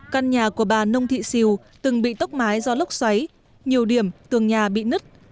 căn nhà của bà nông thị xìu từng bị tốc mái do lốc xoáy nhiều điểm tường nhà bị nứt